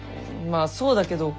まあそうだけど。